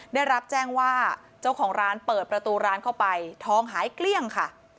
ได้รับแจ้งว่าเจ้าของร้านเปิดประตูร้านเข้าไปทองหายเกลี้ยงค่ะ